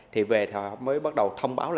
thì về họ mới bắt đầu thông báo